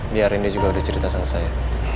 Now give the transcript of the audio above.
biar india juga udah cerita sama saya